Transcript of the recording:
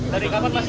dari kapan mas